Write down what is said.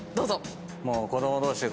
もう子供同士で。